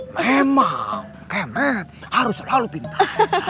memang kayak met harus selalu pintar